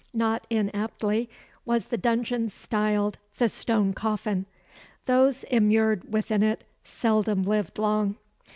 Not inaptly was the dungeon styled the "Stone Coffin." Those immured within it seldom lived long.